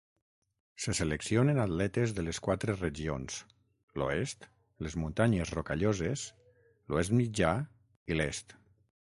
Se seleccionen atletes de les quatre regions: l'Oest, les muntanyes Rocalloses, l'Oest Mitjà i l'Est.